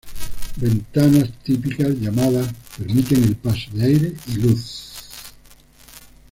Ventanas típicas llamadas permiten el paso de aire y luz.